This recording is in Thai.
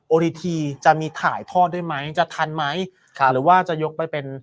รีทีจะมีถ่ายทอดได้ไหมจะทันไหมค่ะหรือว่าจะยกไปเป็น